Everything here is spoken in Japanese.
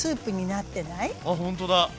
あっほんとだ！